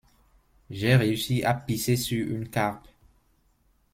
J’ai réussi à pisser sur une carpe!